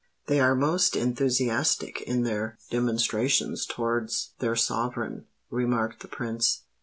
"They are most enthusiastic in their demonstrations towards their sovereign," remarked the Prince.